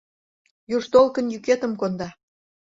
Юж толкын йӱкетым конда